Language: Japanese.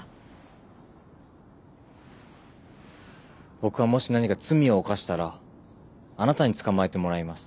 僕はもし何か罪を犯したらあなたに捕まえてもらいます。